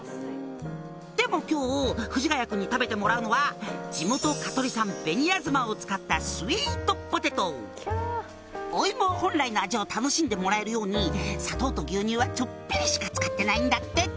「でも今日藤ヶ谷君に食べてもらうのは地元」「を使ったスイートポテト」「お芋本来の味を楽しんでもらえるように砂糖と牛乳はちょっぴりしか使ってないんだって」